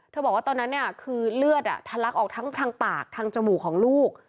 เธอบอกว่าตอนนั้นคือเลือดทันลักออกทางปากทางจมูกของลูก